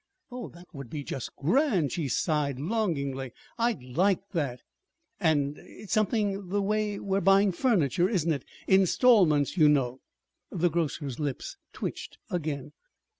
"Oh, that would be just grand," she sighed longingly. "I'd like that. And it's something the way we're buying our furniture, isn't it? installments, you know." The grocer's lips twitched again.